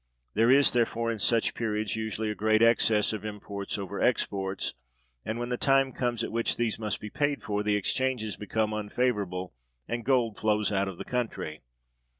There is, therefore, in such periods, usually a great excess of imports over exports; and, when the time comes at which these must be paid for, the exchanges become unfavorable and gold flows out of the country.